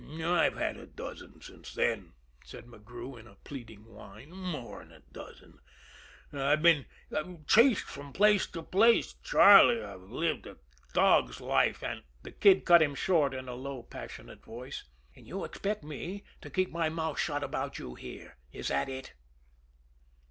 "I've had a dozen since then," said McGrew, in a pleading whine, "more'n a dozen. I've been chased from place to place, Charlie. I've lived a dog's life, and " The Kid cut him short, in a low, passionate voice: "And you expect me to keep my mouth shut about you here is that it?"